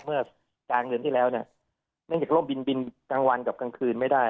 เมื่อกลางเดือนที่แล้วเนี่ยไม่เห็นร่มบินบินกลางวันกับกลางคืนไม่ได้